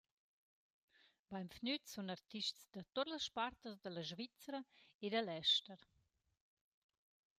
Bainvgnüts sun artists da tuot las spartas da la Svizra ed da l’ester.